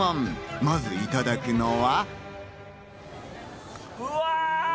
まず、いただくのは。